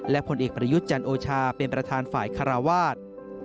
และผลเอกประยุทธ์จันโอชาเป็นประธานฝ่ายคาราวาส